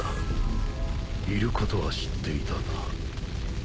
いることは知っていたが。